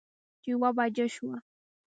چې يوه بجه شوه